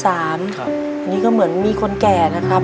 อันนี้ก็เหมือนมีคนแก่นะครับ